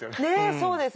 そうですね。